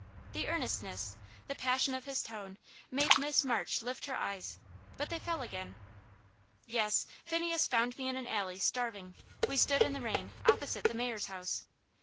The earnestness, the passion of his tone, made Miss March lift her eyes, but they fell again. "Yes, Phineas found me in an alley starving. We stood in the rain, opposite the mayor's house.